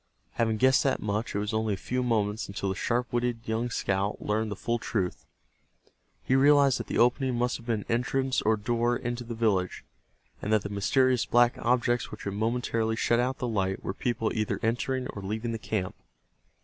Having guessed that much, it was only a few moments until the sharp witted young scout learned the full truth. He realized that the opening must have been an entrance or door into the village, and that the mysterious black objects which had momentarily shut out the light were people either entering or leaving the camp.